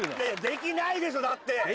できないでしょだって！